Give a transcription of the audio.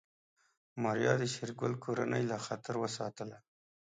ماريا د شېرګل کورنۍ له خطر وساتله.